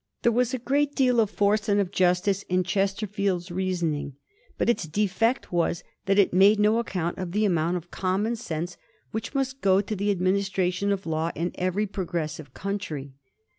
There was a great deal of force and of justice in Ches terfield's reasoning. But its defect was that it made no account of the amount of common sense which must go to the administration of law in every progressive country.